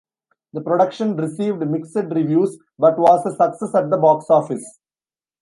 The production received mixed reviews, but was a success at the box office.